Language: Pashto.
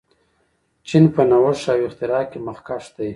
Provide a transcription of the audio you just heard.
چین په نوښت او اختراع کې مخکښ دی.